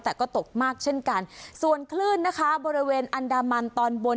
แต่ก็ตกมากเช่นกันส่วนคลื่นนะคะบริเวณอันดามันตอนบน